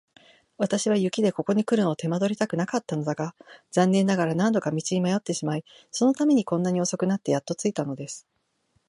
私は雪でここにくるのを手間取りたくなかったのだが、残念ながら何度か道に迷ってしまい、そのためにこんなに遅くなってやっと着いたのです。